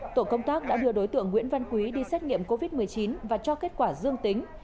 tổ công tác đã đưa đối tượng nguyễn văn quý đi xét nghiệm covid một mươi chín và cho kết quả dương tính